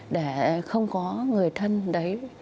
để không có người thân đấy